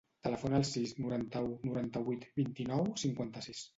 Telefona al sis, noranta-u, noranta-vuit, vint-i-nou, cinquanta-sis.